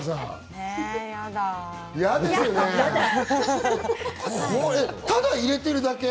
これただ入れてるだけ？